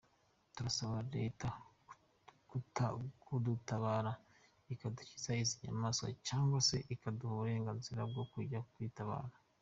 Turasaba Leta kudutabara ikadukiza izi nyamaswa cyangwa se ikaduha uburenganzira bwo kujya twitabara.